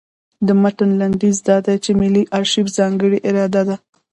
د متن لنډیز دا دی چې ملي ارشیف ځانګړې اداره ده.